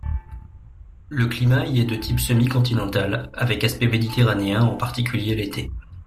Le climat y est de type semi-continental avec aspects méditerranéens en particulier l'été.